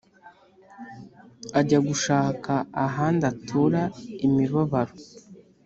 Ajya gushaka ahandi atura imibabaro